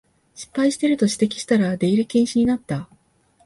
失敗してると指摘したら出入り禁止になった